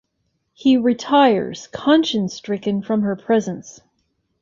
He retires conscience-stricken from her presence.